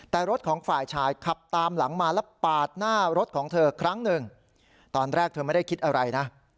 แต่รถของฝ่ายชายขับตามหลังมาแล้วปาดหน้ารถของเธอครั้งหนึ่งตอนแรกเธอไม่ได้คิดอะไรนะ